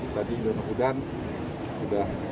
tadi di dona udan sudah